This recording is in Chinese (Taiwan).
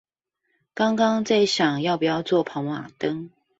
剛剛在想要不要做跑馬燈